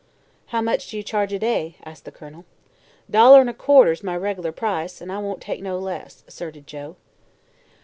"How much do you charge a day?" asked the Colonel. "Dollar 'n' a quarter's my reg'lar price, an' I won't take no less," asserted Joe.